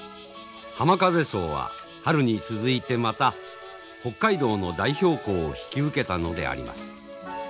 浜風荘は春に続いてまた北海道の代表校を引き受けたのであります。